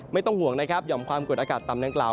ไม่ต้องห่วงนะครับหย่อมความกดอากาศต่ำดังกล่าว